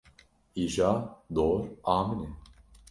Îja dor a min e.